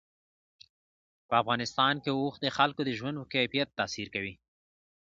په افغانستان کې اوښ د خلکو د ژوند په کیفیت تاثیر کوي.